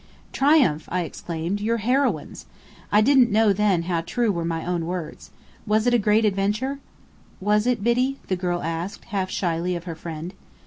"Triumph!" I exclaimed. "You're heroines!" (I didn't know then how true were my own words.) "Was it a great adventure?" "Was it, Biddy?" the girl asked, half shyly of her friend.